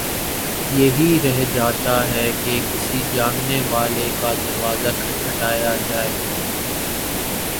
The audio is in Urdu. یہی رہ جاتا ہے کہ کسی جاننے والے کا دروازہ کھٹکھٹایا جائے۔